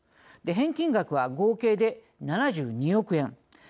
返金額は合計で７２億円。